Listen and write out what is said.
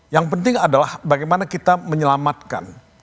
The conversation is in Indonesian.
yang penting adalah bagaimana kita menyelamatkan